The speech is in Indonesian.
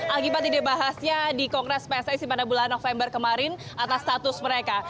akibat ide bahasnya di kongres pssi pada bulan november kemarin atas status mereka